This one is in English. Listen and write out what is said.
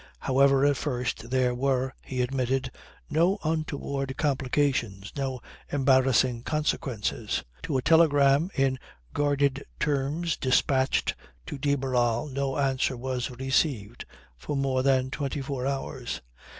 However at first there were, he admitted, no untoward complications, no embarrassing consequences. To a telegram in guarded terms dispatched to de Barral no answer was received for more than twenty four hours.